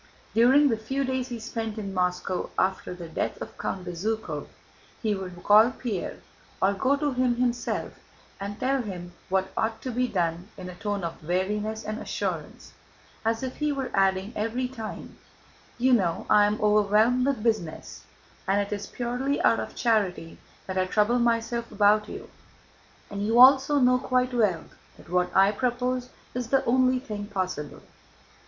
During the few days he spent in Moscow after the death of Count Bezúkhov, he would call Pierre, or go to him himself, and tell him what ought to be done in a tone of weariness and assurance, as if he were adding every time: "You know I am overwhelmed with business and it is purely out of charity that I trouble myself about you, and you also know quite well that what I propose is the only thing possible."